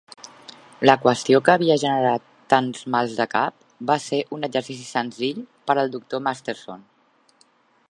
La qüestió que havia generat tants mals de cap va ser un exercici senzill per al doctor Masterson.